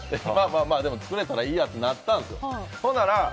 まあまあ、作れたらいいやってなったんですよ。